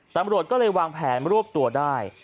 ตำรวจก็เลยวางแผนรวบตัวได้